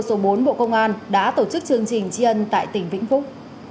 số bốn bộ công an đã tổ chức chương trình tri ân tại tỉnh vĩnh phúc